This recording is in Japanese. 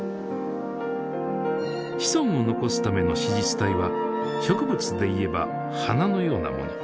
子孫を残すための子実体は植物でいえば花のようなもの。